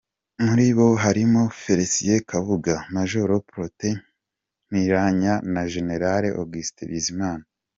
Muri bo harimo Félicien Kabuga, Major Protais Mpiranya na jenerali Augustin Bizimana.